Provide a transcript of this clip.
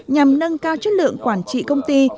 nhằm nâng cao chất lượng quản trị công ty